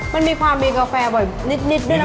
มันมีความมีกาแฟบ่อยนิดด้วยนะ